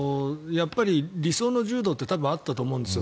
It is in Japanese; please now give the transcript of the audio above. やっぱり理想の柔道って多分、あったと思うんですよ